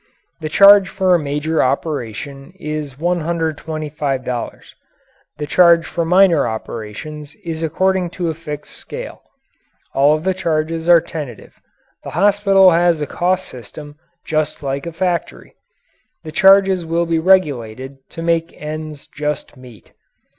The charge for a major operation is $125. The charge for minor operations is according to a fixed scale. All of the charges are tentative. The hospital has a cost system just like a factory. The charges will be regulated to make ends just meet.